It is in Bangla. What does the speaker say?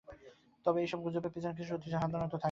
তবে এইসব গুজবের পেছনে কিছু সত্যি সাধারণত থাকে।